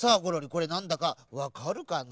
これなんだかわかるかな？